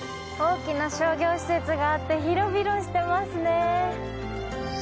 大きな商業施設があって広々してますね